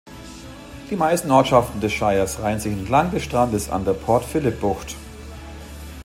Die meisten Ortschaften des Shires reihen sich entlang des Strandes an der Port-Phillip-Bucht.